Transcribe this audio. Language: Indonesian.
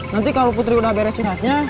nanti kalau putri udah beres curhatnya